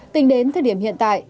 tính đến thời điểm hiện tại